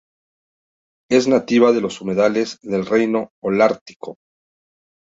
Es nativa de los humedales del Reino Holártico.